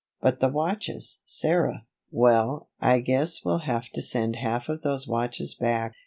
"But the watches, Sarah?" "Well, I guess we'll have to send half of those watches back.